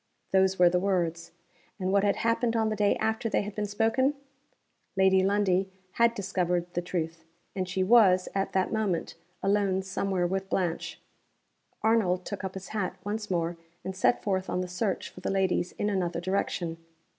Those were the words and what had happened on the day after they had been spoken? Lady Lundie had discovered the truth; and she was, at that moment, alone somewhere with Blanche. Arnold took up his hat once more, and set forth on the search for the ladies in another direction.